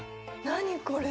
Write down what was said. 何これ。